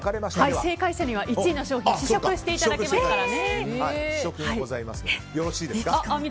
正解者には１位の商品を試食していただけますからね。